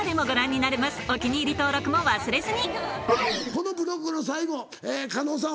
このブロックの最後叶さん